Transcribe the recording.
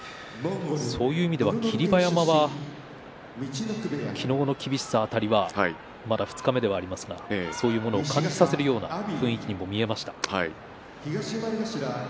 そういう意味では霧馬山、昨日の厳しさだったりまだ二日目ですが、そういうのを感じさせるような雰囲気にも見えました。